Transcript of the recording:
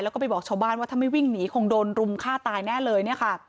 แล้วก็ไปบอกชาวบ้านว่าถ้าไม่วิ่งหนีคงโดนรุมฆ่าตายแน่เลยเนี่ยค่ะ